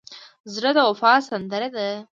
زړه د وفا سندره ده.